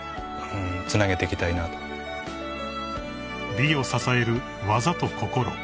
［美を支える技と心］